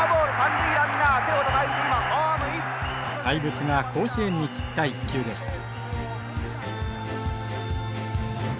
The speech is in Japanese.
怪物が甲子園に散った一球でした。